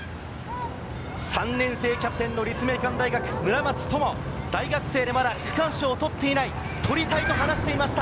３年生キャプテンの立命館大学・村松灯、大学生でまだ区間賞を取っていない、取りたいと話していました。